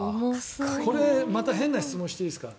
また変な質問していいですか？